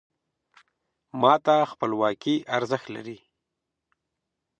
ما ته خپلواکي ارزښت لري .